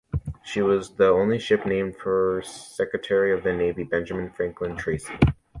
She was the only ship named for Secretary of the Navy Benjamin Franklin Tracy.